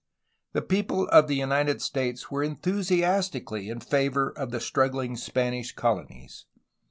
The people of the United States were enthusiastically in favor of the struggling Spanish colonies.